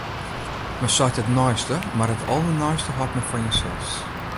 Men seit it neiste, mar it alderneiste hâldt men foar jinsels.